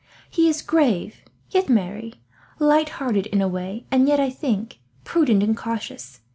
He is grave, yet merry; light hearted in a way, and yet, I think, prudent and cautious.